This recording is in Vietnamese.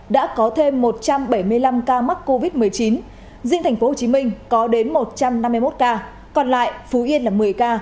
đã có thêm một trăm bảy mươi năm ca mắc covid một mươi chín riêng tp hcm có đến một trăm năm mươi một ca còn lại phú yên là một mươi ca